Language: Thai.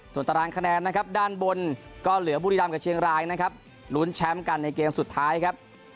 ส่วนตารางคะแนนนะครับด้านบนก็เหลือบุรีรำกับเชียงรายนะครับลุ้นแชมป์กันในเกมสุดท้ายครับ